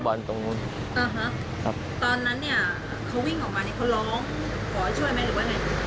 วันนี้เขาร้องขอช่วยไหมหรือว่าไง